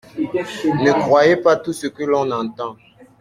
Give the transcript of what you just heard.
Ne croyez pas tout ce que l’on entend.